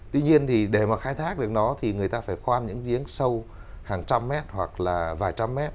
tuy nhiên thì để mà khai thác được nó thì người ta phải khoan những giếng sâu hàng trăm mét hoặc là vài trăm mét